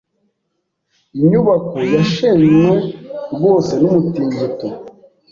Inyubako yashenywe rwose n’umutingito.